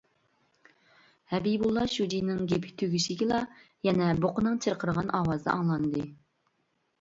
ھەبىبۇللا شۇجىنىڭ گېپى تۈگىشىگىلا يەنە بۇقىنىڭ چىرقىرىغان ئاۋازى ئاڭلاندى.